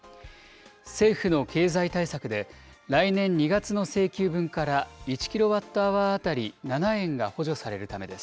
政府の経済対策で、来年２月の請求分から、１キロワットアワー当たり７円が補助されるためです。